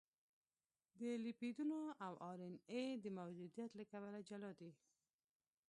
د لیپیدونو او ار ان اې د موجودیت له کبله جلا دي.